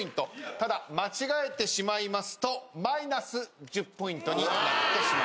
ただ間違えてしまいますとマイナス１０ポイントになってしまいます。